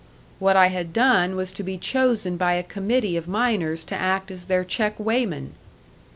"What I had done was to be chosen by a committee of miners to act as their check weighman."